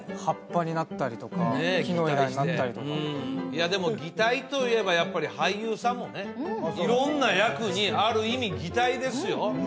葉っぱになったりとか木の枝になったりとかいやでも擬態といえばやっぱり俳優さんもね色んな役にある意味擬態ですよ